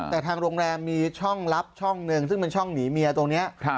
แต่ทางโรงแรมมีช่องลับช่องหนึ่งซึ่งเป็นช่องหนีเมียตรงนี้